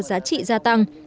giá trị gia tăng